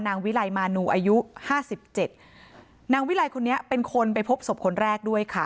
วิไลมานูอายุห้าสิบเจ็ดนางวิลัยคนนี้เป็นคนไปพบศพคนแรกด้วยค่ะ